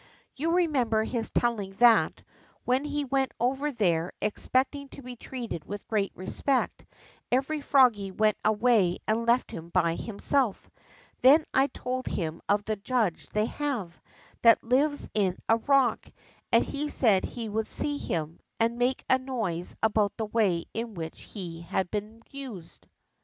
You remem ber his telling that, when he went over there expecting to be treated with great respect, every froggie went away and left him by himself. Then I told him of the judge they have, that lives in a rock, and he said he would see him, and make a noise about the way in which he had been used.